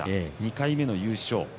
２回目の優勝。